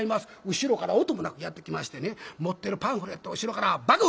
後ろから音もなくやって来ましてね持ってるパンフレットを後ろからバク！